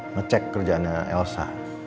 ngecek kerjaannya elsa